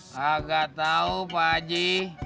kagak tau pak haji